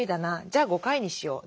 じゃあ５回にしよう。